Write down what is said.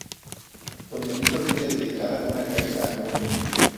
Don Benito tiene dedicada una calle a su nombre.